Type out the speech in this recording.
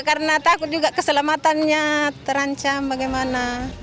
karena takut juga keselamatannya terancam bagaimana